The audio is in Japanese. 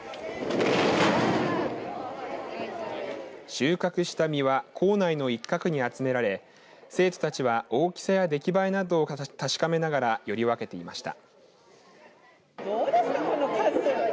収穫した実は校内の一角に集められ生徒たちは大きさや出来栄えなどを確かめながらより分けていました。